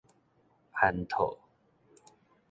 安套